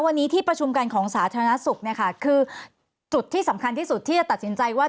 วันนี้ที่ประชุมกันของสาธารณสุขเนี่ยค่ะคือจุดที่สำคัญที่สุดที่จะตัดสินใจว่า